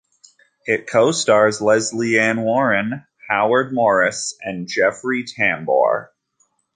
It co-stars Lesley Ann Warren, Howard Morris and Jeffrey Tambor.